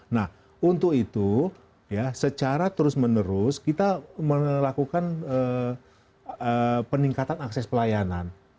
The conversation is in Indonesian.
nah untuk itu ya secara terus menerus kita melakukan peningkatan akses pelayanan